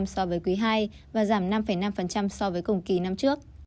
so với quý hai và giảm năm năm so với quý hai và giảm năm năm so với quý hai